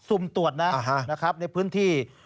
สุ่มตรวจนะครับในพื้นที่